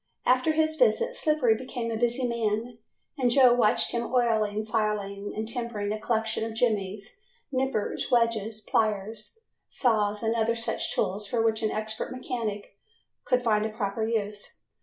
After his visit Slippery became a busy man and Joe watched him oiling, filing and tempering a collection of jimmies, nippers, wedges, pliers, saws, and other such tools for which an expert mechanic could find a proper use.